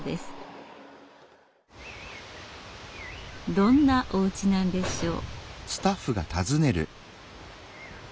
どんなおうちなんでしょう。